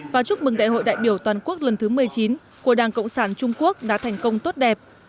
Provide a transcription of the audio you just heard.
và chúc mừng đại hội đại biểu toàn quốc lần thứ một mươi chín của đảng cộng sản trung quốc đã thành công tốt đẹp